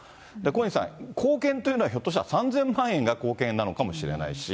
小西さん、貢献というのは、ひょっとしたら３０００万円が貢献なのかもしれないし。